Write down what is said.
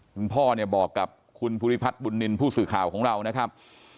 คุณพ่อเนี่ยบอกกับคุณภูริพัฒน์บุญนินทร์ผู้สื่อข่าวของเรานะครับ